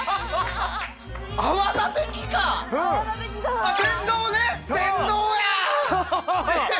泡立て器だ。